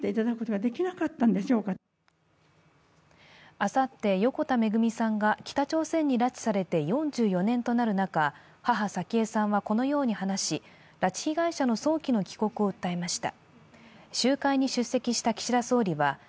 あさって、横田めぐみさんが北朝鮮に拉致されて４４年となる中母・早紀江さんはこのように話し拉致被害者の早期の帰国を訴えました。